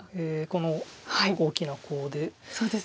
この大きなコウで。